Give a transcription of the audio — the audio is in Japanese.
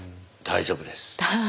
大丈夫です。